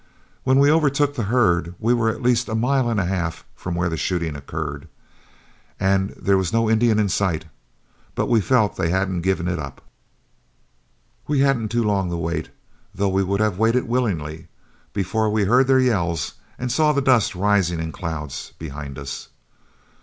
When we overtook the herd, we were at least a mile and a half from where the shooting occurred, and there was no Indian in sight, but we felt that they hadn't given it up. We hadn't long to wait, though we would have waited willingly, before we heard their yells and saw the dust rising in clouds behind us.